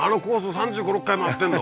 ３５３６回周ってんの？